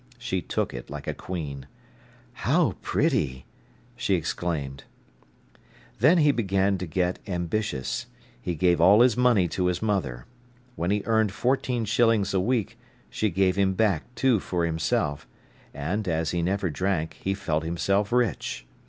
She took it like a queen. "How pretty!" she exclaimed. Then he began to get ambitious. He gave all his money to his mother. When he earned fourteen shillings a week, she gave him back two for himself, and, as he never drank, he felt himself rich.